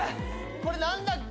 これ何だっけ？